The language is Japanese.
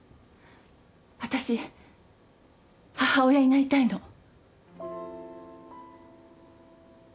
私母親になりたいの。